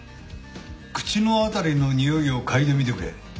口の辺りのにおいを嗅いでみてくれ。